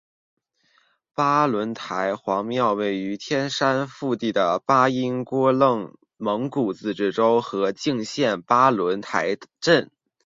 巴仑台黄庙位于天山腹地的巴音郭楞蒙古自治州和静县巴仑台镇。